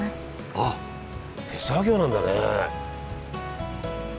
あっ手作業なんだね。